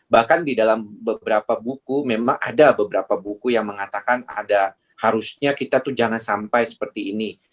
bahkan di dalam beberapa buku memang ada beberapa buku yang mengatakan ada harusnya kita tuh jangan sampai seperti ini